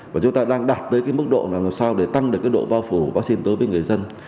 và chúng ta đang đạt tới cái mức độ làm sao để tăng được cái độ bao phủ vaccine tới với người dân